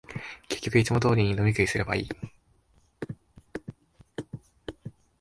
結局、いつも通りに飲み食いすればいい